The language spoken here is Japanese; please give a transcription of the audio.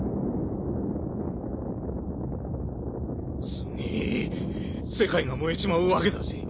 すげぇ世界が燃えちまうわけだぜ。